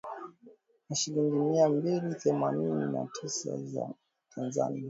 Na shilingi mia mbili themanini na tisa za Tanzania hadi shilingi elfu mbili mia sita tisini na mbili za Tanzania kwa lita